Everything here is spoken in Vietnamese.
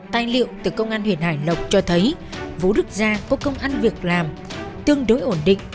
tài liệu từ công an huyện hải lộc cho thấy vũ đức giang có công ăn việc làm tương đối ổn định